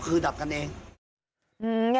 คือดับกันเอง